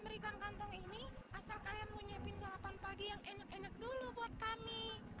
berikan kantong ini asal kalian mau nyiapin sarapan pagi yang enak enak dulu buat kami